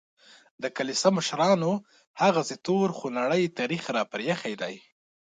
د کلیسا مشرانو هغسې تور خونړی تاریخ راپرېښی دی.